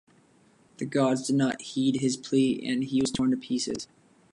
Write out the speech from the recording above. The gods did not heed his plea, and he was torn to pieces.